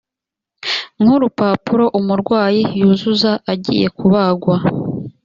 nk urupapuro umurwayi yuzuza agiye kubagwa